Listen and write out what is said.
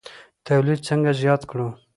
تولید څنګه زیات کړو؟